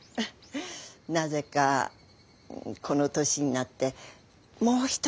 なぜかこの年になってもう一花咲かせたい。